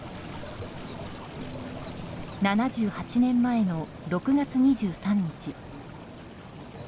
７８年前の６月２３日。